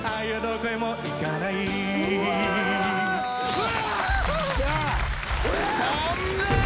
うわ！